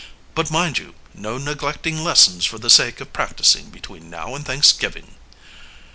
But, mind you, no neglecting lessons for the sake of practicing between now and Thanksgiving!"